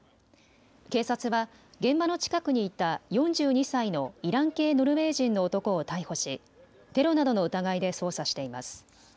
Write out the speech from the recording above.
警察は現場の近くにいた４２歳のイラン系ノルウェー人の男を逮捕しテロなどの疑いで捜査しています。